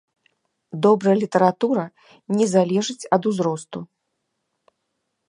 Добрая літаратура не залежыць ад узросту.